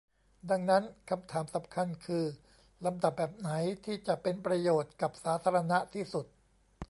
ดังนั้นคำถามสำคัญคือ ลำดับแบบไหนที่จะเป็นประโยชน์กับสาธารณะที่สุด